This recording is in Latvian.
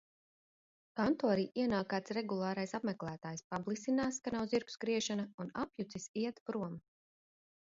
Kantorī ienāk kāds regulārais apmeklētājs, pablisinās, ka nav zirgu skriešana un apjucis iet prom.